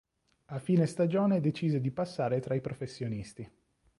A fine stagione decise di passare tra i professionisti.